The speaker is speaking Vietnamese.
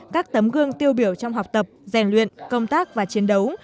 các tấm gương tiêu biểu trong học tập rèn luyện công tác và chiến đấu